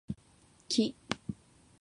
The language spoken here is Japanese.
木